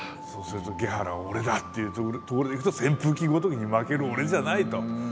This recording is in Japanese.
そうするとゲハラは俺だっていうところでいくと扇風機ごときに負ける俺じゃないと。